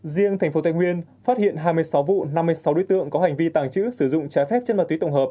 riêng tp tây nguyên phát hiện hai mươi sáu vụ năm mươi sáu đối tượng có hành vi tàng trữ sử dụng trái phép chất ma túy tổng hợp